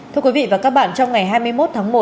thưa quý vị và các bạn trong ngày hai mươi một tháng một